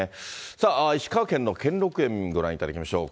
さあ、石川県の兼六園、ご覧いただきましょう。